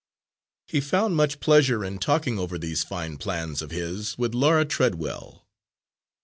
He found much pleasure in talking over these fine plans of his with Laura Treadwell.